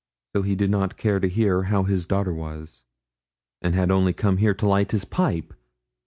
So he did not care to hear how his daughter was, and had only come here to light his pipe!